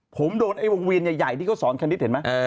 ผมโดนไอ้วงเวียนใหญ่ที่เขาสอนคณิตเห็นไหม